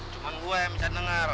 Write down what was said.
cuma gue yang bisa denger